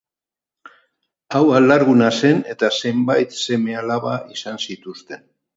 Hau alarguna zen eta zenbait seme-alaba izan zituzten.